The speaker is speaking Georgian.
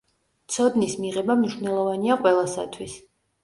ცოდნის მიღება მნიშვნელოვანია ყველასათვის.